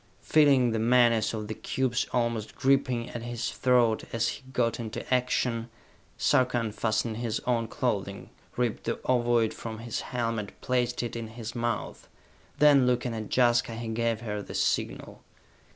Feeling the menace of the cubes almost gripping at his throat as he got into action, Sarka unfastened his own clothing, ripped the ovoid from his helmet, placed it in his mouth. Then, looking at Jaska, he gave her the signal.